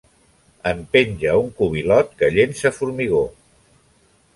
En penja un cubilot, que llença formigó.